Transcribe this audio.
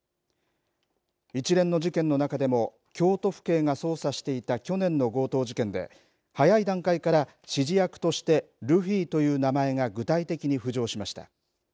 一連の事件の中でも京都府警が捜査していた去年の強盗事件で早い段階から指示役としてルフィという名前が具体的に浮上しました。